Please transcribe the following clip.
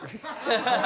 ハハハハ。